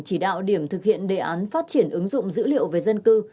chỉ đạo điểm thực hiện đề án phát triển ứng dụng dữ liệu về dân cư